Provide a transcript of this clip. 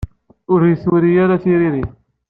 Ur iyi-d-turi ara tiririt.